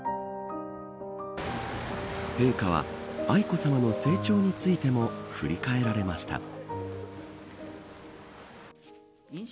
陛下は愛子さまの成長についても振り返られました。